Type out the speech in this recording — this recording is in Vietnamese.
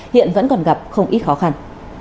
hiện vẫn còn gặp không ít khó khăn